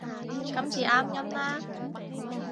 今次啱音啦